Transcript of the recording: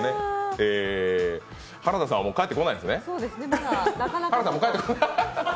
原田さんはもう帰ってこないですね。